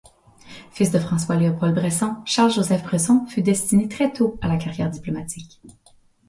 Fils de François-Léopold Bresson, Charles-Joseph Bresson fut destiné très tôt à la carrière diplomatique.